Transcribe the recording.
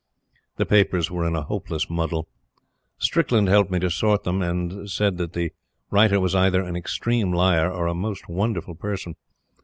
The papers were in a hopeless muddle. Strickland helped me to sort them, and he said that the writer was either an extreme liar or a most wonderful person.